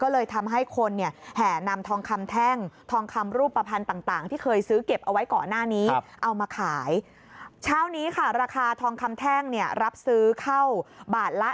ราคาทองคำแท่งเนี่ยรับซื้อเข้าบาทละ๒๒๖๕๐